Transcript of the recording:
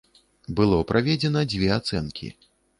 Было праведзена дзве ацэнкі.